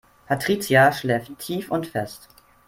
Patricia schläft tief und fest.